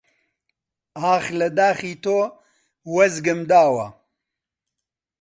ئاخ لە داخی تۆ وەزگم داوە!